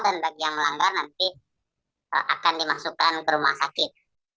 dan bagi yang melanggar nanti akan dimasukkan ke rumah sakit